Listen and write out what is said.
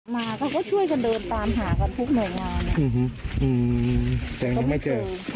มาเขาก็ช่วยกันเดินตามหากันทุกหน่วยงานแต่ยังไม่เจอ